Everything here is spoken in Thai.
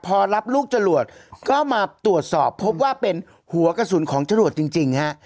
พอรับลูกจรวดก็มาตรวจสอบพบว่าเป็นหัวกระสุนของจรวดจริงฮะ